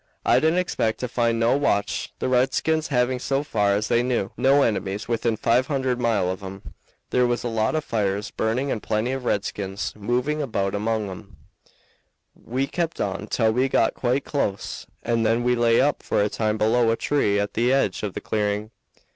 I didn't expect to find no watch, the redskins having, so far as they knew, no enemies within five hundred mile of 'em. There was a lot of fires burning and plenty of redskins moving about among 'em. We kept on till we got quite close, and then we lay up for a time below a tree at the edge of the clearing.